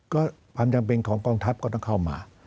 ก็ความจำเป็นของกองทัพก็ต้องเข้ามา